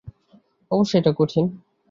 অবশ্যই, এটা কঠিন।